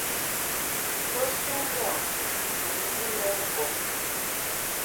Bo suŋ ŋga mɨŋgwi lɛ bɔŋ mɨ.